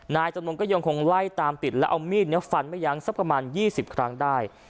นายจำนงก็ยังคงไล่ตามติดแล้วเอามีดเนื้อฟันไปยังสักกระมาณยี่สิบครั้งได้